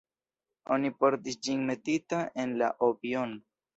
Oni portis ĝin metita en la "obi-on".